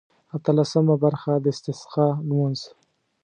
اتلسمه برخه د استسقا لمونځ.